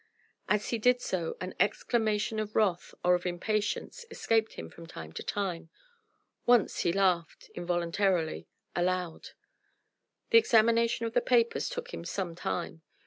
As he did so an exclamation of wrath or of impatience escaped him from time to time, once he laughed involuntarily aloud. The examination of the papers took him some time.